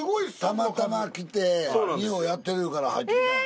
たまたま来て二葉やってるいうから入ってきたんよ。